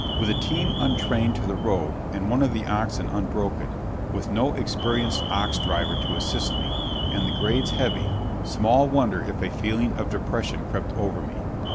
With a team untrained to the road and one of the oxen unbroken, with no experienced ox driver to assist me, and the grades heavy, small wonder if a feeling of depression crept over me.